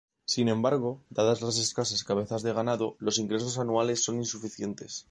Sin embargo, dadas las escasas cabezas de ganado, los ingresos anuales son insuficientes.